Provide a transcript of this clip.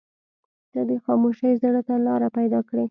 • ته د خاموشۍ زړه ته لاره پیدا کړې.